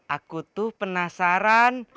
aku tuh penasaran